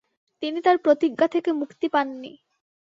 তিনি তার প্রতিজ্ঞা থেকে মুক্তি পাননি।